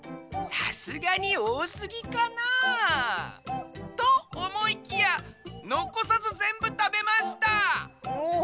さすがにおおすぎかなとおもいきやのこさずぜんぶたべました。